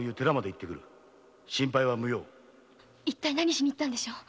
一体何しに行ったんでしょう？